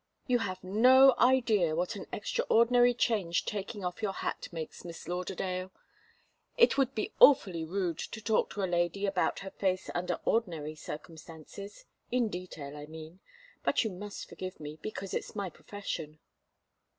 You have no idea what an extraordinary change taking off your hat makes, Miss Lauderdale. It would be awfully rude to talk to a lady about her face under ordinary circumstances. In detail, I mean. But you must forgive me, because it's my profession."